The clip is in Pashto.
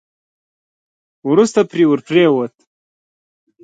وروسته پرې ور پرېووت.